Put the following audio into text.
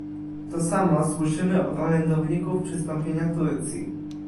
To samo słyszymy od orędowników przystąpienia Turcji